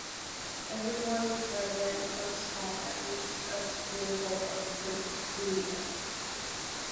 Everyone present must have at least a spoonful of kutia.